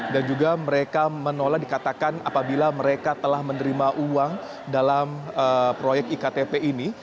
dan juga mereka menolak dikatakan apabila mereka telah menerima uang dalam proyek iktp ini